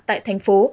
tại thành phố